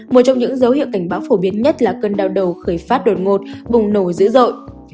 một trong những dấu hiệu cảnh báo phổ biến nhất là cơn đau đầu khởi phát đột ngột bùng nổ dữ dội